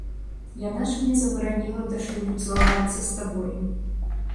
Яна ж мне забараніла да шлюбу цалавацца з табой.